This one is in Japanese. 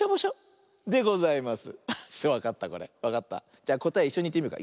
じゃこたえいっしょにいってみようか。